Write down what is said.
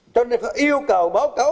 cho nên phải yêu cầu báo cáo